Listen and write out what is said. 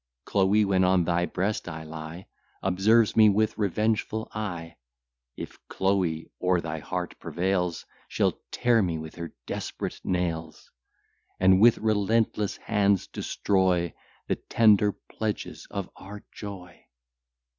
Chloe, when on thy breast I lie, Observes me with revengeful eye: If Chloe o'er thy heart prevails, She'll tear me with her desperate nails; And with relentless hands destroy The tender pledges of our joy.